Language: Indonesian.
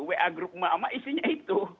wa group mak mak isinya itu